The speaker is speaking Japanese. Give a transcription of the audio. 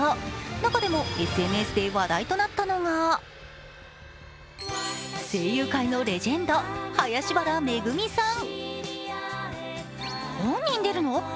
中でもＳＮＳで話題となったのが声優界のレジェンド林原めぐみさん。